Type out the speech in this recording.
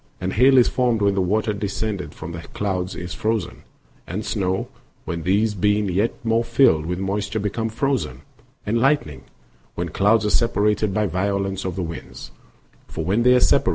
And hail is formed when the water descending from the clouds is frozen; and snow, when these being yet more filled with moisture become frozen ;® and lightning, when clouds are separated by violence of the winds ; for when they are separated, — 1 Aet.